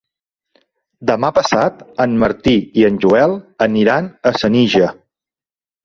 Demà passat en Martí i en Joel aniran a Senija.